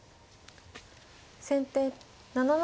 先手７七銀。